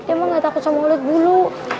emang gak takut sama mulut bulu